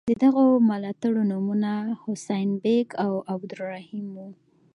د دغو ملاتړو نومونه حسین بېګ او عبدالرحیم وو.